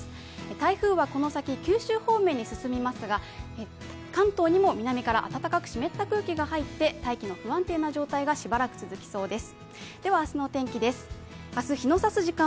台風はこの先九州方面に進みますが、関東にも南から暖かく湿った空気が入って大気の不安定な状態かしばらく続きそうです。